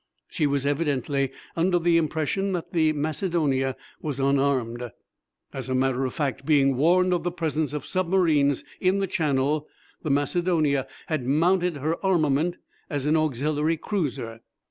She was evidently under the impression that the Macedonia was unarmed. As a matter of fact, being warned of the presence of submarines in the Channel, the Macedonia had mounted her armament as an auxiliary cruiser.